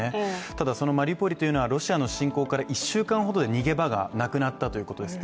ただ、そのマリウポリというのはロシアの侵攻から１週間ほどで逃げ場がなくなったということです。